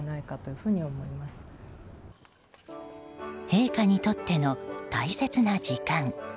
陛下にとっての大切な時間。